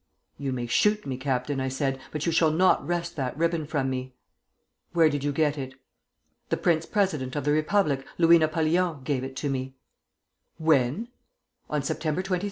'You may shoot me, Captain,' I said, 'but you shall not wrest that ribbon from me.' 'Where did you get it?' 'The prince president of the Republic, Louis Napoleon, gave it me.' 'When?' 'On September 23, 1853.'